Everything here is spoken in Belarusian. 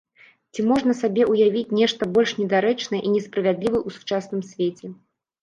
Ці можна сабе ўявіць нешта больш недарэчнае і несправядлівае ў сучасным свеце?